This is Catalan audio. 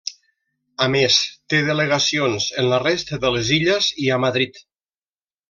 A més té delegacions en la resta de les illes i a Madrid.